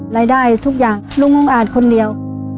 รายได้ทุกอย่างลุงอุ้งอาจคนเดียว